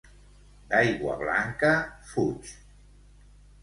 D'aigua blanca, fuig.